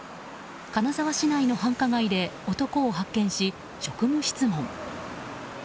金沢市内の繁華街で男を発見し職務質問。